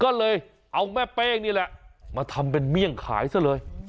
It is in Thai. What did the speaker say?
ก็เลยเอาแม่เป้งนี่แหละมาทำเป็นเมี่ยงขายซะเลย